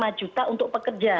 nah itu adalah untuk pekerja